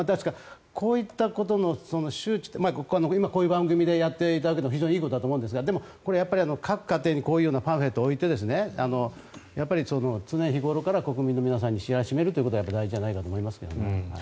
こういったことの周知って今、こういう番組でやっていただくことは非常にいいことだと思うんですが各家庭にこういうパンフレットを置いて常日頃から国民の皆さんに知らしめるということはやっぱり大事じゃないかと思いますね。